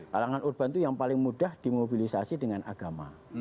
kalangan urban itu yang paling mudah dimobilisasi dengan agama